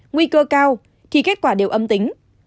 nguy cơ cao khi kết quả đều âm tính